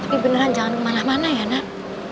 tapi beneran jangan kemana mana ya nak